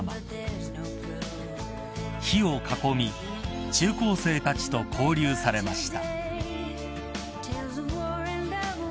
［火を囲み中高生たちと交流されました］